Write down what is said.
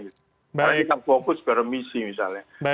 karena kita fokus ke remisi misalnya